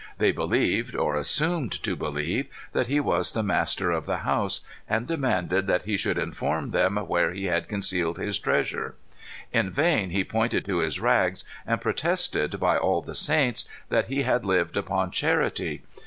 They believed, or assumed to believe, that he was the master of the house, and demanded that he should inform them where he had concealed his treasure. In vain he pointed to his rags and protested, by all the saints, that he had lived upon charity.